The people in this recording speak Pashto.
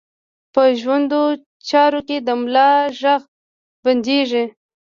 په ژوندو چارواکو د ملا غږ بندېږي.